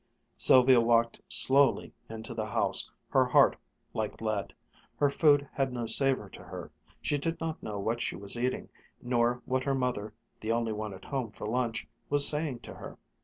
Sylvia walked slowly into the house, her heart like lead. Her food had no savor to her. She did not know what she was eating, nor what her mother, the only one at home for lunch, was saying to her.